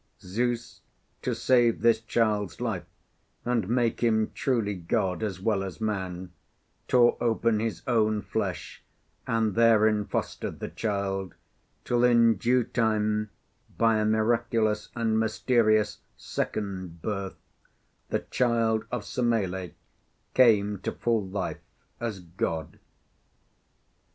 Zeus, to save this child's life and make him truly God as well as Man, tore open his own flesh and therein fostered the child till in due time, by a miraculous and mysterious Second Birth, the child of Semelê came to full life as God.